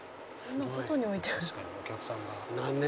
すごい確かにお客さんが。